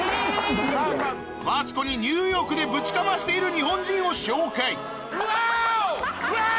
マツコにニューヨークでぶちかましている日本人を紹介ワオ！